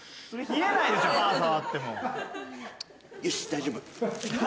大丈夫。